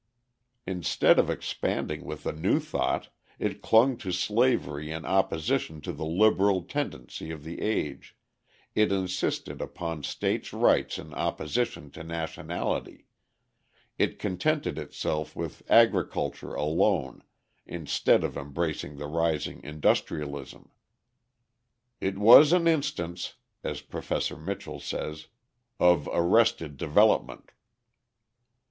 Instead of expanding with the new thought, it clung to slavery in opposition to the liberal tendency of the age, it insisted upon states' rights in opposition to nationality, it contented itself with agriculture alone, instead of embracing the rising industrialism. "It was an instance," as Professor Mitchell says, "of arrested development."